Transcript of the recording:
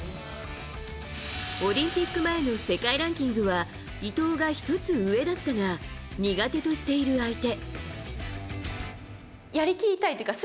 オリンピック前の世界ランキングは伊藤が１つ上だったが苦手としている相手。